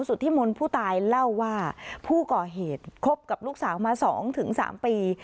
สุธิมนต์ผู้ตายเล่าว่าผู้ก่อเหตุคบกับลูกสาวมา๒๓ปี